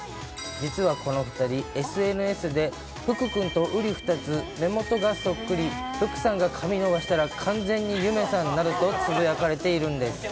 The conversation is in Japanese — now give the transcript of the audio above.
実はこの２人、ＳＮＳで、福君とうり二つ、目元がそっくり、福さんが髪伸ばしたら完全に夢さんなどとつぶやかれているんです。